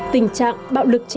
tình trạng bạo lực trẻ